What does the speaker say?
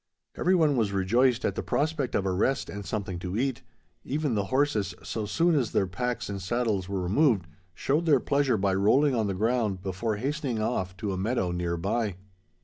Every one was rejoiced at the prospect of a rest and something to eat. Even the horses, so soon as their packs and saddles were removed, showed their pleasure by rolling on the ground before hastening off to a meadow near by.